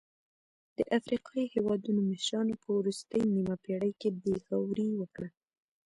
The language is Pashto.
د افریقايي هېوادونو مشرانو په وروستۍ نیمه پېړۍ کې بې غوري وکړه.